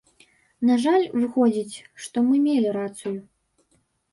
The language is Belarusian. На жаль, выходзіць, што мы мелі рацыю.